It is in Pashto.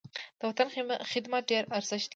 د وطن خدمت ډېر ارزښت لري.